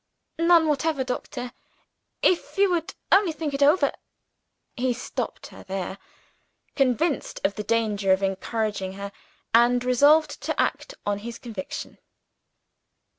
"None whatever, doctor. If you would only think it over " He stopped her there; convinced of the danger of encouraging her, and resolved to act on his conviction.